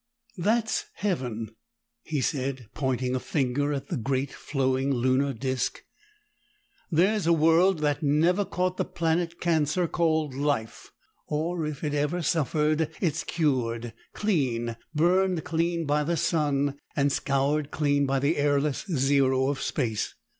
"That's Heaven," he said pointing a finger at the great flowing lunar disk. "There's a world that never caught the planet cancer called Life, or if it ever suffered, it's cured. It's clean burned clean by the sun and scoured clean by the airless zero of space.